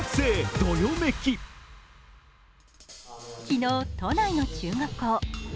昨日、都内の中学校。